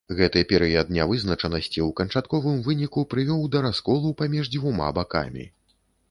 Гэты перыяд нявызначанасці ў канчатковым выніку прывёў да расколу паміж дзвюма бакамі.